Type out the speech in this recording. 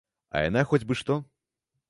А яна хоць бы што!